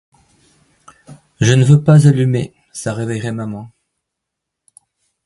Je ne veux pas allumer, ça réveillerait maman...